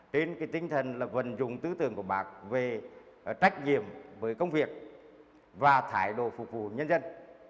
trên tinh thần là vận dụng tư tưởng của bác về trách nhiệm với công việc và thải đồ phục vụ nhân dân